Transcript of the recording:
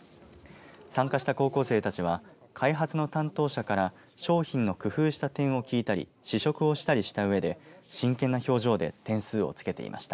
参加した高校生たちは開発の担当者から商品の工夫した点を聞いたり試食をしたりしたうえで真剣な表情で点数をつけていました。